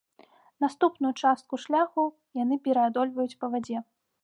Наступную частку шляху яны пераадольваюць па вадзе.